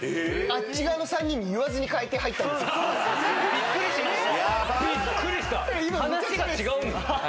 びっくりしました。